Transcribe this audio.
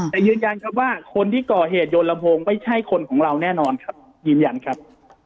แต่ยืนยันครับว่าคนที่ก่อเหตุโยนลำโพงไม่ใช่คนของเราแน่นอนครับยืนยันครับ